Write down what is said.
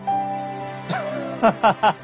ハハハハ！